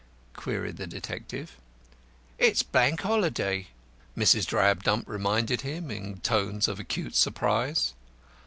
queried the detective. "It's Bank Holiday," Mrs. Drabdump reminded him in tones of acute surprise.